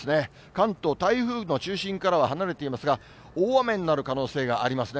関東、台風の中心からは離れていますが、大雨になる可能性がありますね。